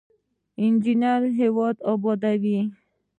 انجینر هیواد ابادوي